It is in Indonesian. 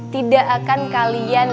tidak akan kalian